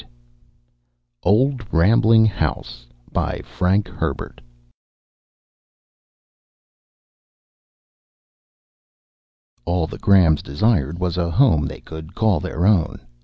net Old Rambling House By FRANK HERBERT _All the Grahams desired was a home they could call their own